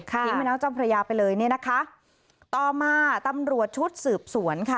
ทิ้งวันน้องจ้อมพระยาไปเลยต่อมาตำรวจชุดสืบสวน